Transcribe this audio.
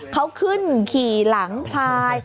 เขาขึ้นขี่หลังพลาย